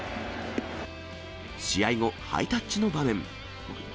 試合後、ハイタッチの場面。